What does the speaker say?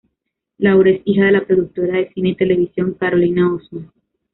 Laura es hija de la productora de cine y televisión Carolina Osma.